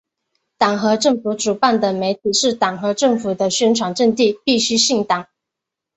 党和政府主办的媒体是党和政府的宣传阵地，必须姓党。